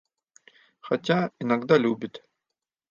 Хотя, иногда любит.